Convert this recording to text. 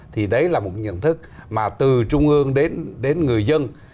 thì đấy là một nhận thức mà từ trung ương đến người dân